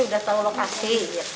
udah tahu lokasi